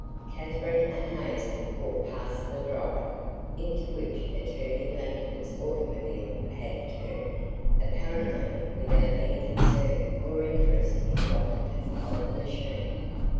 Katherine and Hazel walked past the drive, into which Attorney Langford's automobile had turned, apparently without any concern or interest in the occupant of the machine.